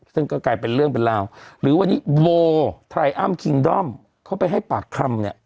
ซึ่งก็กลายเป็นเรื่องเป็นราวหรือวันนี้โมทนายอ้ำคิงด้อมเขาไปให้ปากคำเนี่ย